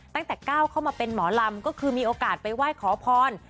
ตั้งแต่ก้าวเข้ามาเป็นหมอลำก็คือมีโอกาสไปไหว้ขอพร